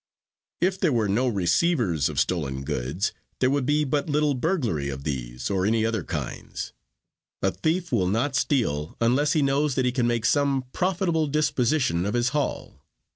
"If there were no receivers of stolen goods there would be but little burglary of these or any other kinds: A thief will not steal unless he knows that he can make some profitable disposition of his haul.